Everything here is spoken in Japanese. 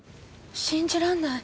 信じらんない。